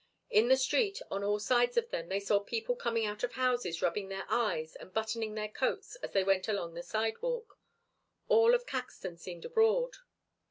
In the street, on all sides of them, they saw people coming out of houses rubbing their eyes and buttoning their coats as they went along the sidewalk. All of Caxton seemed abroad.